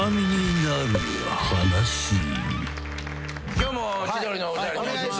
今日も千鳥のお二人。